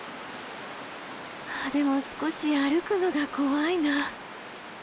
でも少し歩くのが怖いな。